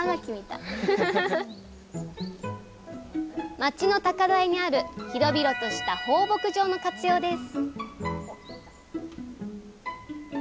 町の高台にある広々とした放牧場の活用です